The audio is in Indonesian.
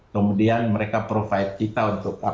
kemudian mereka provide kita untuk